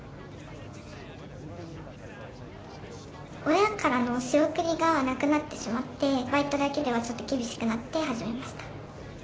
親からの仕送りがなくなってしまってバイトだけではちょっと厳しくなって始めました。